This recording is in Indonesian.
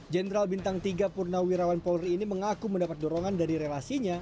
jenderal bintang tiga purnawirawan polri ini mengaku mendapat dorongan dari relasinya